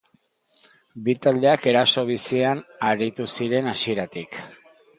Bi taldeak eraso bizian aritu ziren hasieratik.